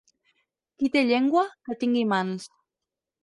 Qui té llengua, que tingui mans.